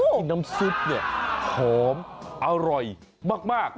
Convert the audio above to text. ที่น้ำซุปเนี่ยหอมอร่อยมาก